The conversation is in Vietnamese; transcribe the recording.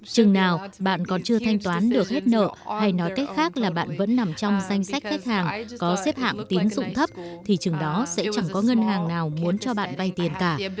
chừng nào bạn còn chưa thanh toán được hết nợ hay nói cách khác là bạn vẫn nằm trong danh sách khách hàng có xếp hạng tín dụng thấp thì chừng đó sẽ chẳng có ngân hàng nào muốn cho bạn vay tiền cả